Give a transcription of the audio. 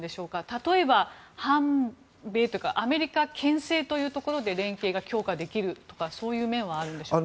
例えば、反米というかアメリカ牽制というところで連携が強化できるとかそういう面はあるんでしょうか。